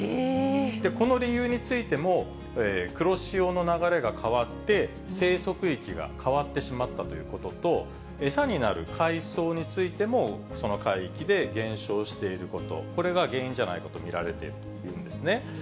この理由についても、黒潮の流れが変わって、生息域が変わってしまったということと、餌になる海藻についても、その海域で減少していること、これが原因じゃないかと見られているというんですね。